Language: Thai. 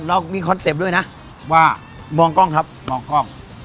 เรามีคอนเซ็ปต์ด้วยนะว่ามองกล้องครับมองกล้อง